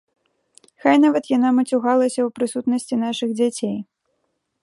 Хай нават яна мацюгалася ў прысутнасці нашых дзяцей.